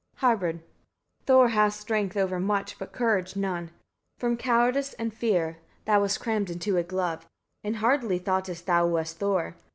Harbard. 36. Thor has strength over much, but courage none; from cowardice and fear, thou wast crammed into a glove, and hardly thoughtest thou wast Thor.